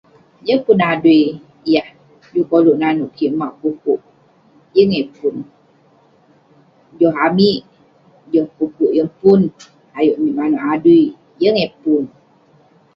yeng pun adui yah juk koluk nanouk kik, mauk pu'kuk, yeng eh pun...joh amik, joh pu'kuk yeng pun..ayuk amik manouk adui, yeng eh pun..